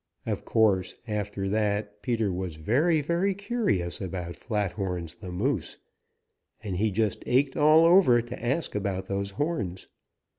Of course, after that Peter was very very curious about Flathorns the Moose, and he just ached all over to ask about those horns.